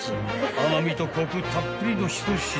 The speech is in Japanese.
甘みとコクたっぷりの一品］